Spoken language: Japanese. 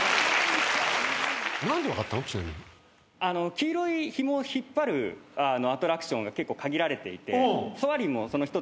黄色いひもを引っ張るアトラクションが結構限られていてソアリンもその一つなので。